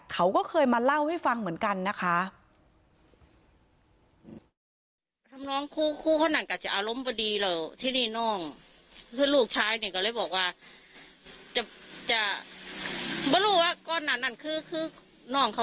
เขาก็เคยมาเล่าให้ฟังเหมือนกันนะคะ